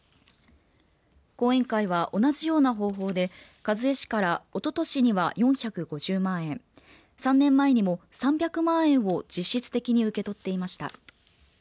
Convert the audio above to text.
後援会は同じような方法で一衛氏からおととしには４５０万円３年前にも３００万円を実質的に受け取っていました。